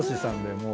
もう。